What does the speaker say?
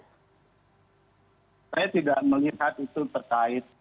saya tidak melihat itu terkait